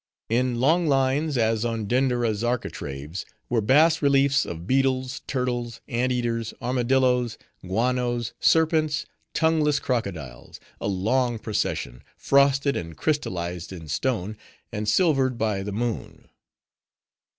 In long lines, as on Denderah's architraves, were bas reliefs of beetles, turtles, ant eaters, armadilloes, guanos, serpents, tongueless crocodiles:—a long procession, frosted and crystalized in stone, and silvered by the moon.